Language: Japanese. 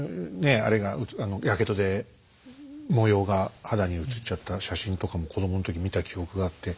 あれがやけどで模様が肌にうつっちゃった写真とかも子供の時に見た記憶があって。